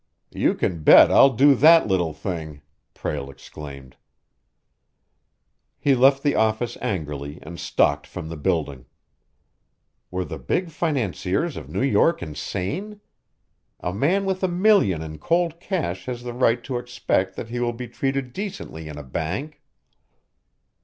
"You can bet I'll do that little thing!" Prale exclaimed. He left the office angrily and stalked from the building. Were the big financiers of New York insane? A man with a million in cold cash has the right to expect that he will be treated decently in a bank.